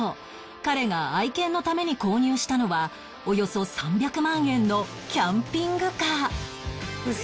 彼が愛犬のために購入したのはおよそ３００万円のキャンピングカーウソ？